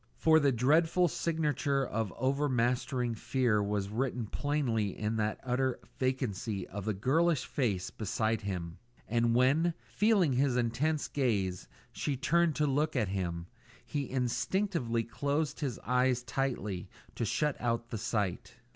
For the dreadful signature of overmastering fear was written plainly in that utter vacancy of the girlish face beside him; and when, feeling his intense gaze, she turned to look at him, he instinctively closed his eyes tightly to shut out the sight.